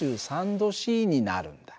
℃になるんだ。